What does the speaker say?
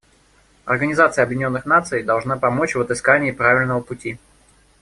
Организация Объединенных Наций должна помочь в отыскании правильного пути.